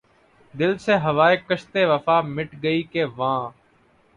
دل سے ہواے کشتِ وفا مٹ گئی کہ واں